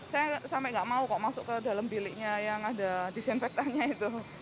saya sampai nggak mau kok masuk ke dalam biliknya yang ada disinfektannya itu